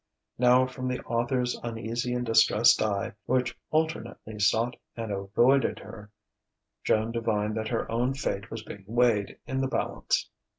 Now from the author's uneasy and distressed eye, which alternately sought and avoided her, Joan divined that her own fate was being weighed in the balance.